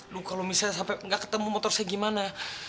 lu kalau misalnya sampe gak ketemu motor saya gimana